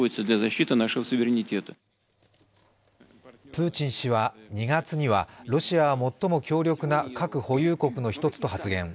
プーチン氏は２月にはロシアは最も強力な核保有国の一つと発言。